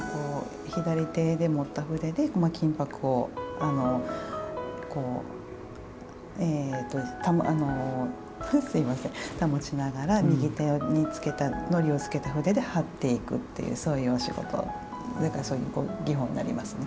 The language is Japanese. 左手で持った筆で金ぱくをこうたもちながら右手にのりをつけた筆で貼っていくっていうそういうお仕事技法になりますね。